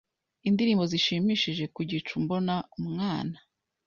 indirimbo zishimishije Ku gicu mbona umwana